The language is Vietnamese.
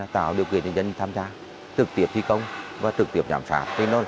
tạo điều kiện cho dân tham gia trực tiếp thi công và trực tiếp giảm phạt